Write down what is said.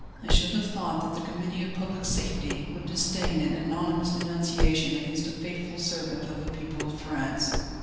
I should have thought that the Committee of Public Safety would disdain an anonymous denunciation against a faithful servant of the people of France."